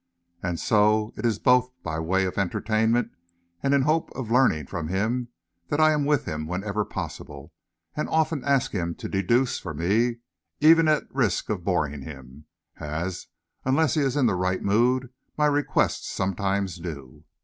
And so, it is both by way of entertainment, and in hope of learning from him, that I am with him whenever possible, and often ask him to "deduce" for me, even at risk of boring him, as, unless he is in the right mood, my requests sometimes do.